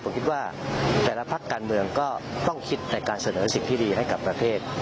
ผมคิดว่าแต่ละพักการเมืองก็ต้องคิดในการเสนอสิ่งที่ดีให้กับประเทศ